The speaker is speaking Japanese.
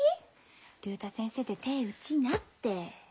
竜太先生で手ぇ打ちなって。